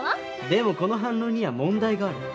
でもこの反論には問題がある。